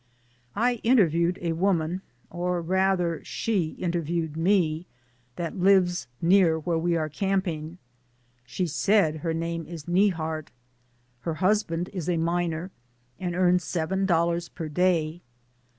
I interviewed a woman — or rather she in terviewed me — that lives near where we are camping. She said her name is Neihart. Her husband is a miner and earns seven dol lars per day.